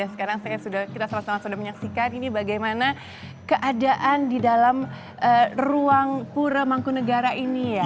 sekarang kita sudah menyaksikan ini bagaimana keadaan di dalam ruang pura mangkunegara ini